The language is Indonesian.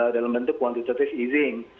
dalam bentuk quantitative easing